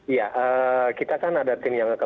iya kita kan ada tim yang